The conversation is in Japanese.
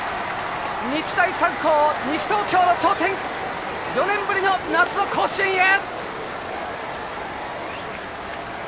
日大三高、西東京の頂点４年ぶりの夏の甲子園へ！